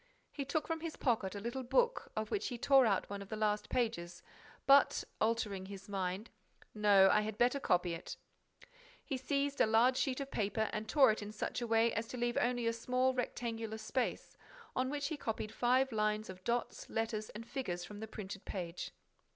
He took from his pocket a little book of which he tore out one of the last pages. But, altering his mind: "No, I had better copy it—" He seized a large sheet of paper and tore it in such a way as to leave only a small rectangular space, on which he copied five lines of dots, letters and figures from the printed page.